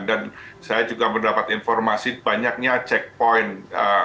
dan saya juga mendapat informasi banyaknya checkpoint yang dibuat oleh tentara israel